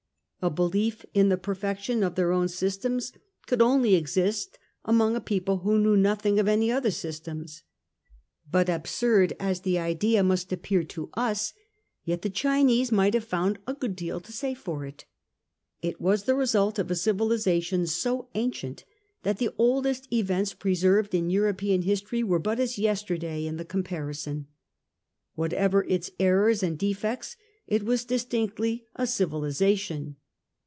A belief in the perfection of their own systems could only exist among a people who knew nothing of any other systems. But absurd as the idea must appear to us, yet the Chinese might have found a good deal to say for it. It was the result of a civilisation so ancient that the oldest events preserved in European history were but as yesterday in the comparison. •Whatever its errors and defects, it was distinctly a civilisation.